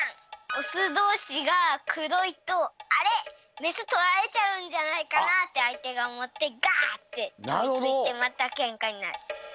オスどうしがくろいと「あれ？メスとられちゃうんじゃないかな」ってあいてがおもってガーってかみついてまたけんかになる。